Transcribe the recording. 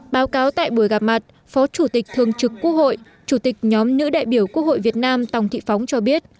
báo cáo tại buổi gặp mặt phó chủ tịch thường trực quốc hội chủ tịch nhóm nữ đại biểu quốc hội việt nam tòng thị phóng cho biết